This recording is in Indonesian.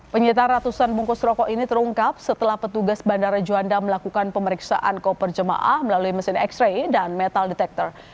penyitaan ratusan bungkus rokok ini terungkap setelah petugas bandara juanda melakukan pemeriksaan koper jemaah melalui mesin x ray dan metal detector